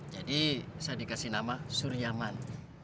saya dikasih nama suryaman